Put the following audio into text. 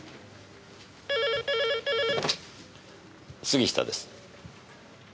杉下です。